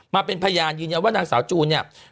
มาเป็นพยานยืนยันว่านางสาวจูนเนี่ย